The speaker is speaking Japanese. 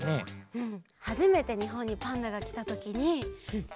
うん。